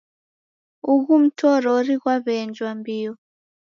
Ughu mtorori ghwaw'eenjwa mbio.